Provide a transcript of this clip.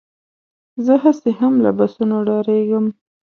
زه هسې هم له بسونو ډارېږم.